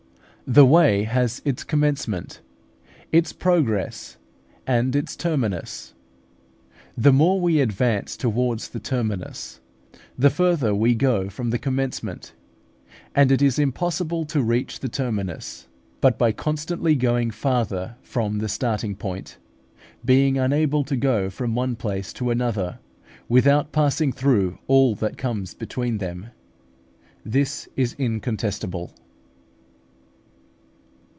The way has its commencement, its progress, and its terminus. The more we advance towards the terminus, the farther we go from the commencement; and it is impossible to reach the terminus but by constantly going farther from the starting point, being unable to go from one place to another without passing through all that comes between them: this is incontestable.